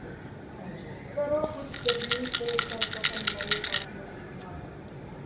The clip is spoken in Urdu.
کرو کج جبیں پہ سر کفن مرے قاتلوں کو گماں نہ ہو